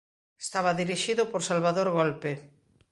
Estaba dirixido por Salvador Golpe.